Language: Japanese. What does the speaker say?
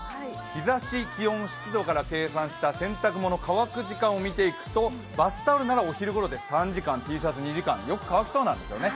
日ざし、気温、湿度から計算した洗濯物乾く時間を見ていくと、バスタオルならお昼ごろで３時間Ｔシャツ２時間、よく乾きそうなんですよね。